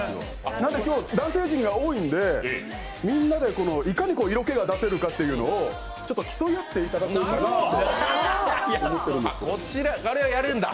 なので今日男性陣が多いので、みんなでいかに色気を出せるのかというのを競い合っていただこうかなと思ってるんですけど。